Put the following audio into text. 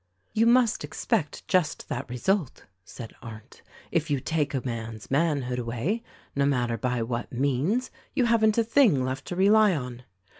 "You must expect just that result," said Arndt. "If you take a man's manhood away — no matter by what means — you haven't a thing left to rely on."